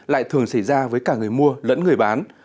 lại thường xảy ra với cả người mua lẫn người bán